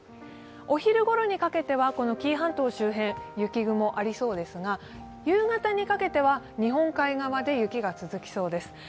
お昼ごろにかけては、紀伊半島周辺、雪雲、ありそうですが夕方にかけては日本海側で雪が続きそうです。